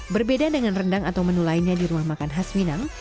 berbeda dengan rendang atau menu lainnya di rumah makan khas minang